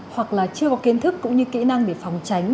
hoặc là chưa có kiến thức cũng như kỹ năng để phòng tránh